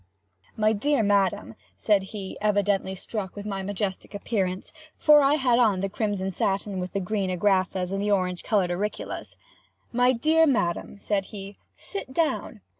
"My dear madam," said he, evidently struck with my majestic appearance, for I had on the crimson satin, with the green agraffas, and orange colored auriclas. "My dear madam," said he, "sit down.